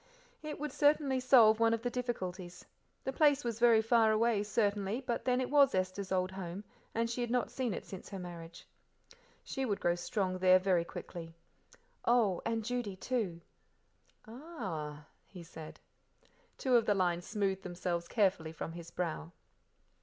It would certainly solve one of the difficulties. The place was very far away certainly, but then it was Esther's old home, and she had not seen it since her marriage. She would grow strong again there very quickly. "Oh, and Judy, too." "Ah h h!" he said. Two of the lines smoothed themselves carefully from his brow.